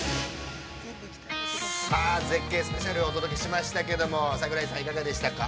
◆さあ絶景スペシャル、お届けしましたけれども、桜井さん、いかがでしたか。